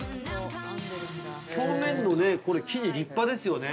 ◆表面の生地、立派ですよね